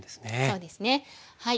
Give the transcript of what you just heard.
そうですねはい。